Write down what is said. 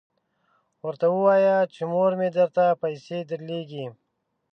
ورته ووایه چې مور مې درته پیسې درلیږي.